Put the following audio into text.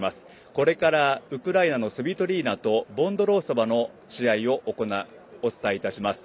これからウクライナのスビトリーナとボンドロウソバの試合をお伝えいたします。